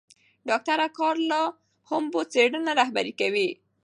ډاکټره کارلا هومبو څېړنه رهبري کوي.